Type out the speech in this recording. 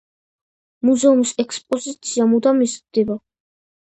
მუზეუმის ექსპოზიცია მუდამ იზრდება.